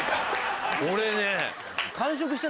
俺ね。